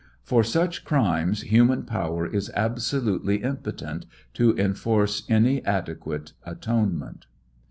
For such crimes human power is absolutely impotent to enforce any adequate atonement.